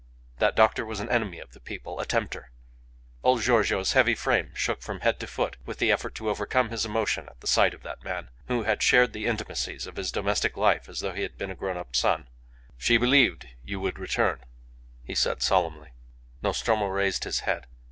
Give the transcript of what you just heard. That doctor was an enemy of the people a tempter. ... Old Giorgio's heavy frame shook from head to foot with the effort to overcome his emotion at the sight of that man, who had shared the intimacies of his domestic life as though he had been a grown up son. "She believed you would return," he said, solemnly. Nostromo raised his head.